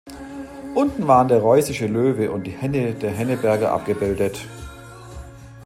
Unten waren der reußische Löwe und die Henne der Henneberger abgebildet.